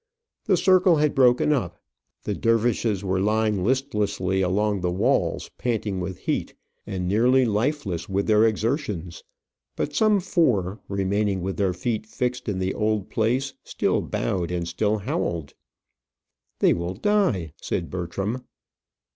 The circle had broken up, the dervishes were lying listlessly along the walls, panting with heat, and nearly lifeless with their exertions; but some four, remaining with their feet fixed in the old place, still bowed and still howled. "They will die," said Bertram.